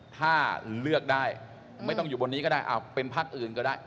ถ้าเลือกได้ไม่ต้องอยู่บนนี้ก็ได้เป็นพักอื่นก็ได้